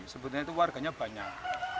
sebetulnya itu warganya banyak